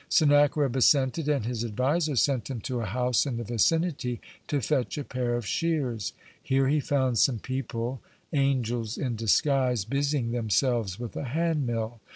Sennacherib assented, and his advisor sent him to a house in the vicinity to fetch a pair of shears. Here he found some people angels in disguise busying themselves with a hand mill.